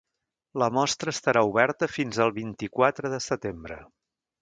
La mostra estarà oberta fins al vint-i-quatre de setembre.